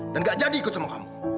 dan enggak jadi ikut sama kamu